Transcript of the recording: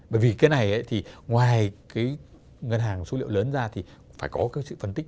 bởi vì cái này thì ngoài cái ngân hàng số liệu lớn ra thì phải có cái sự phân tích